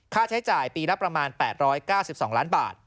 ค่าใช้จ่ายปีละประมาณ๘๙๒ล้านบาท